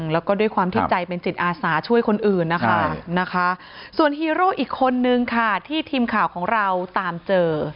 แล้วก็ด้วยความที่ใจเป็นจิตอาสาช่วยคนอื่นนะคะส่วนฮีโร่อีกคนนึงค่ะที่ทีมข่าวของเราตามเจอ